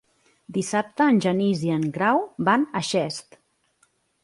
Dissabte en Genís i en Grau van a Xest.